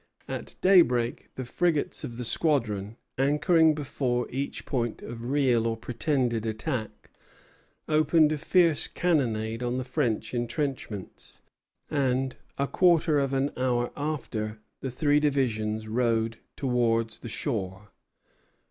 At daybreak the frigates of the squadron, anchoring before each point of real or pretended attack, opened a fierce cannonade on the French intrenchments; and, a quarter of an hour after, the three divisions rowed towards the shore.